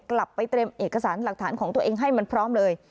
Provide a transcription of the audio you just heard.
กลับไปเตรียมเอกสารหลักฐานของตัวเองให้มันพร้อมเลย